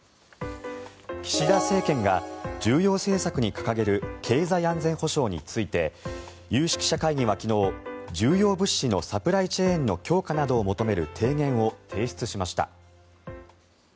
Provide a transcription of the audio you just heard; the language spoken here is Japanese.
岸田政権が重要政策に掲げる経済安全保障について有識者会議は昨日重要物資のサプライチェーンの強化などを求める提言を提出しました。